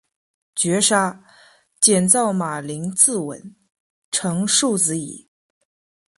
绝杀，减灶马陵自刎，成竖子矣